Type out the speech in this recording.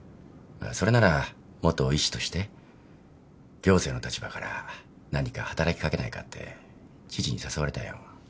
それなら元医師として行政の立場から何か働きかけないかって知事に誘われたよ。